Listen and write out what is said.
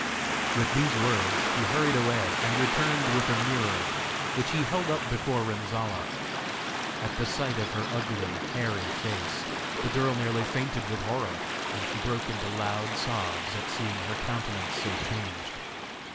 With these words he hurried away, and returned with a mirror, which he held up before Renzolla. At the sight of her ugly, hairy face, the girl nearly fainted with horror, and she broke into loud sobs at seeing her countenance so changed.